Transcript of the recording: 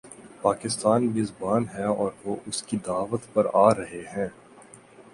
پاکستان میزبان ہے اور وہ اس کی دعوت پر آ رہے ہیں۔